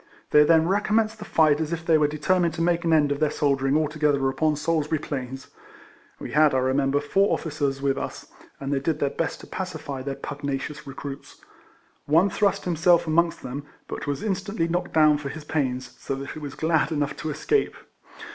They then recommenced the fight as if they were determined to make an end of their soldiering altogether upon Salisbury Plains. We had, I remem ber, four officers with us, and they did their best to pacify their pugnacious recruits. One thrust himself amongst them, but was instantly knocked down for his pains, so that he was glad enough to escape.